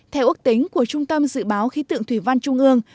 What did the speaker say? theo ước tính của trung tâm dự báo khí tượng thủy văn trung ương